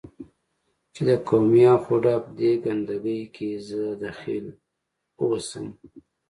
چې د قومي اخ و ډب دې ګند کې زه دخیل اوسم،